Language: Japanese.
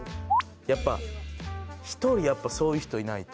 やっぱ１人そういう人いないと。